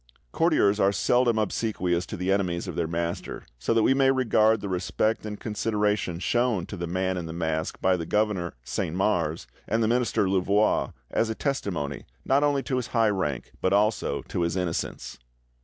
Courtiers are seldom obsequious to the enemies of their master, so that we may regard the respect and consideration shown to the Man in the Mask by the governor Saint Mars, and the minister Louvois, as a testimony, not only to his high rank, but also to his innocence.